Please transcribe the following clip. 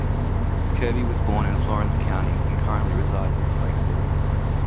Kirby was born in Florence County and currently resides in Lake City.